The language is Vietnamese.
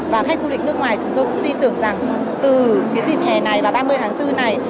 và khách du lịch nước ngoài chúng tôi cũng tin tưởng rằng từ dịp hè này và ba mươi tháng bốn này